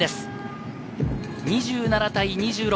２７対２６。